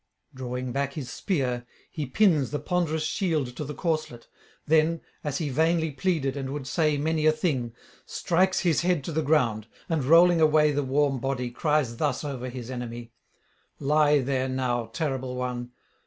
Drawing back his spear, he pins the ponderous shield to the corslet; then, as he vainly pleaded and would say many a thing, strikes his head to the ground, and, rolling away the warm body, cries thus over his enemy: 'Lie there now, terrible one!